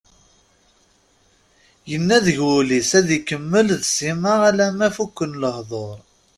Yenna deg wul-is ad ikemmel d Sima alamma fuken lehdur.